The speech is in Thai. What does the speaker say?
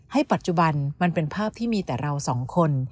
ปัจจุบันมันเป็นภาพที่มีแต่เราสองคน